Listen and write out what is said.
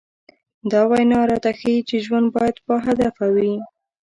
دا وينا راته ښيي چې ژوند بايد باهدفه وي.